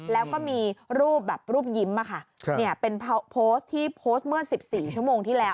แล้วก็มีรูปแบบรูปยิ้มเป็นโพสต์ที่โพสต์เมื่อ๑๔ชั่วโมงที่แล้ว